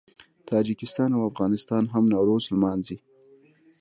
تاجکستان او افغانستان هم نوروز لمانځي.